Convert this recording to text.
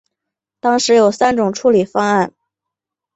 当时有三种处理方案。